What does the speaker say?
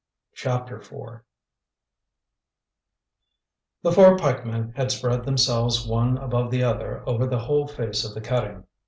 CHAPTER IV The four pikemen had spread themselves one above the other over the whole face of the cutting.